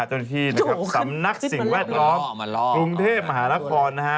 เจ้าหน้าที่นะครับสำนักสิ่งแวดล้อมกรุงเทพมหานครนะฮะ